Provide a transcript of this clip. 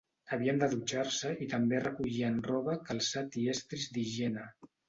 Havien de dutxar-se i també recollien roba, calçat i estris d'higiene.